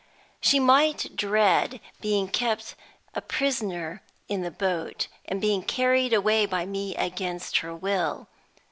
She might dread being kept a prisoner in the boat, and being carried away by me against her will.